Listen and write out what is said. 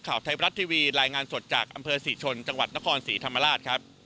ได้จัดเตรียมความช่วยเหลือประบบพิเศษสี่ชน